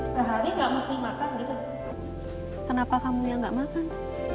sehari nggak mesti makan gitu kenapa kamu yang nggak makan